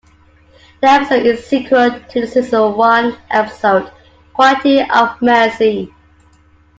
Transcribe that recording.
The episode is a sequel to the season one episode "Quality of Mercy".